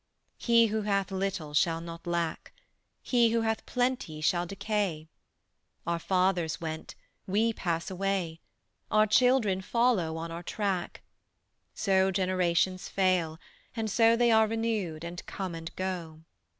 He who hath little shall not lack; He who hath plenty shall decay: Our fathers went; we pass away; Our children follow on our track: So generations fail, and so They are renewed and come and go.